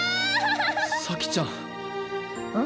咲ちゃん。